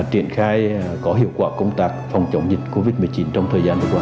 triển khai có hiệu quả công tác phòng chống dịch covid một mươi chín trong thời gian liên quan